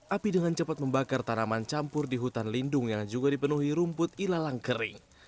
api dengan cepat membakar tanaman campur di hutan lindung yang juga dipenuhi rumput ilalang kering